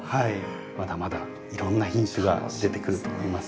まだまだいろんな品種が出てくると思います。